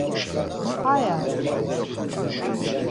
Hayai?